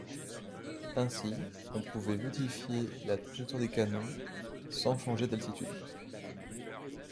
Ainsi on pouvait modifier la trajectoire des cannons sans changer d’altitude.